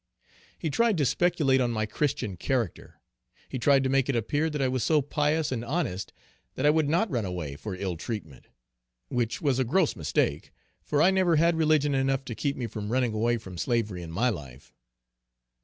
He tried to speculate on my Christian character. He tried to make it appear that I was so pious and honest that I would not runaway for ill treatment; which was a gross mistake, for I never had religion enough to keep me from running away from slavery in my life.